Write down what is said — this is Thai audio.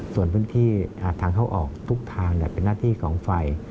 ส่วนพื้นที่ทางเข้าออกทุกทางเป็นหน้าที่ของไฟ